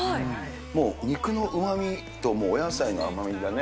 もう、肉のうまみとお野菜の甘みがね。